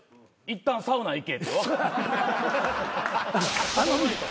「いったんサウナ行け」ととのえと。